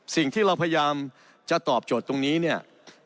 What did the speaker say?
สิ่งที่เราพยายามจะตอบโจทย์ตรงนี้เนี่ย